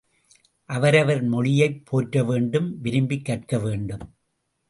அவரவர் மொழியைப் போற்ற வேண்டும் விரும்பிக் கற்க வேண்டும்.